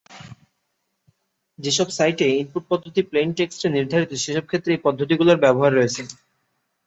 যেসব সাইটে ইনপুট পদ্ধতি প্লেইন টেক্সট এ নির্ধারিত, সেসব ক্ষেত্রে এই পদ্ধতিগুলোর ব্যবহার রয়েছে।